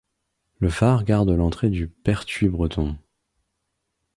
Le phare garde l'entrée du pertuis Breton.